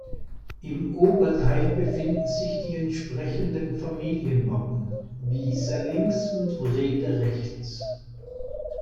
Im Oberteil befinden sich die entsprechenden Familienwappen, Wiser links und Wrede rechts.